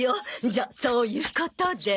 じゃあそういうことで。